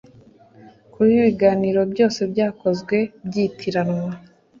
Kuba ibiganiro byose byakozwe byitiranywa